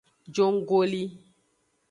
Jonggoli.